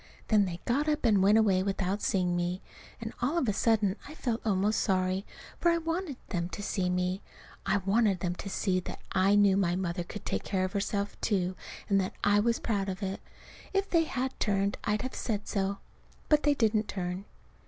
Then they got up and went away without seeing me. And all of a sudden I felt almost sorry, for I wanted them to see me. I wanted them to see that I knew my mother could take care of herself, too, and that I was proud of it. If they had turned I'd have said so. But they didn't turn.